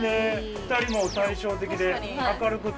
２人も対照的で明るくて。